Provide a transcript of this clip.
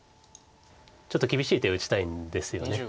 ちょっと厳しい手打ちたいんですよね。